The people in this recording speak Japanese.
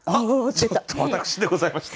ちょっと私でございました。